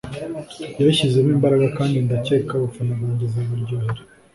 yayishyizemo imbaraga kandi ndakeka abafana banjye izabaryohera